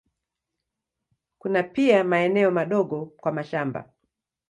Kuna pia maeneo madogo kwa mashamba.